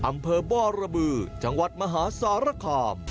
อำเภอบ่อระบือจังหวัดมหาสารคาม